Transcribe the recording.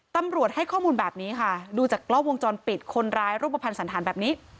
ตำรวจให้ข้อมูลแบบนี้ค่ะดูจากกล้องวงจรปิดคนร้ายรูปภัณฑ์สันธารแบบนี้